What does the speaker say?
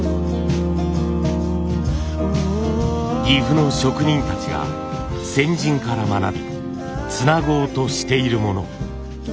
岐阜の職人たちが先人から学びつなごうとしているもの。